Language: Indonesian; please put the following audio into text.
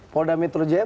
polda metro jaya